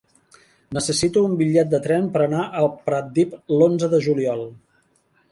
Necessito un bitllet de tren per anar a Pratdip l'onze de juliol.